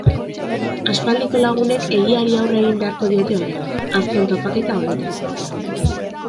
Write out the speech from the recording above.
Aspaldiko lagunek egiari aurre egin beharko diote orain, azken topaketa honetan.